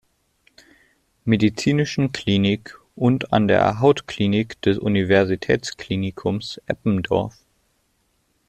Medizinischen Klinik und an der Hautklinik des Universitätsklinikums Eppendorf.